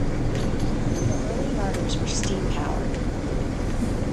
The early yarders were steam powered.